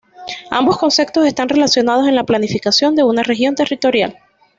Ambos conceptos están relacionados en la planificación de una región territorial.